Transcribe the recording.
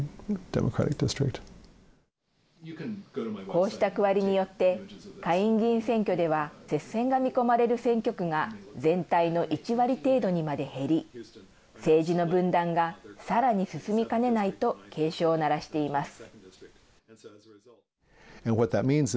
こうした区割りによって下院議員選挙では接戦が見込まれる選挙区が全体の１割程度にまで減り政治の分断がさらに進みかねないと警鐘を鳴らしています。